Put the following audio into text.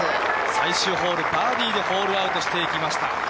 最終ホール、バーディーでホールアウトしていきました。